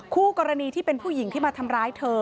คู่กรณีที่เป็นผู้หญิงที่มาทำร้ายเธอ